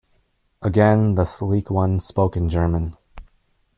Again the sleek one spoke in German.